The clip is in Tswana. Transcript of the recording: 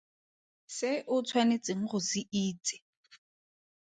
Se o tshwanetseng go se itse!